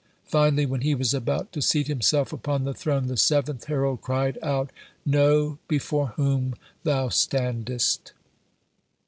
Finally, when he was about to seat himself upon the throne, the seventh herald cried out: "Know before whom thou standest."